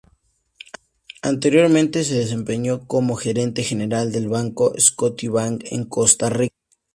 Anteriormente se desempeñó como gerente general del Banco Scotiabank en Costa Rica.